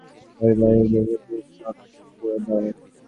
বাড়ির বাহিরে গিয়া গতি শ্লথ করিয়া দাড়ায়।